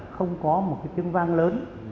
không có một cái tiếng vang lớn